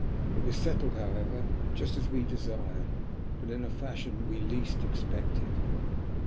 It was settled, however, just as we desired, but in a fashion we least expected.